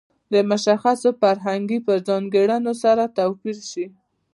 د مشخصو فرهنګي په ځانګړنو سره توپیر شي.